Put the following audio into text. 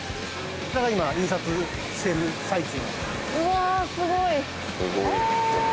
こちらが今印刷している最中。